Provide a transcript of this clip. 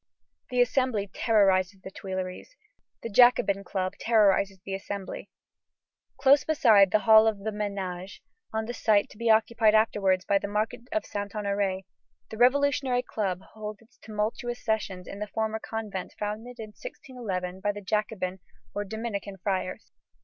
The Assembly terrorizes the Tuileries. The Jacobin Club terrorizes the Assembly. Close beside the Hall of the Manège, on the site to be occupied afterward by the market of Saint Honoré, the revolutionary club holds its tumultuous sessions in the former convent founded in 1611 by the Jacobin, or Dominican, friars.